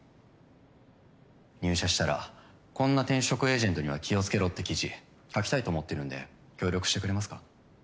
入社したらこんな転職エージェントには気を付けろって記事書きたいと思ってるんで協力してくれますか？